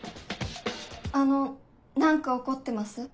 あの何か怒ってます？